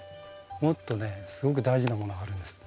もっとねすごく大事なものがあるんです。